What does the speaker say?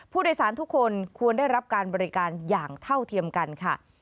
ผู้โดยสารทุกคนควรได้รับการบริการอย่างเท่าเทียมกันค่ะ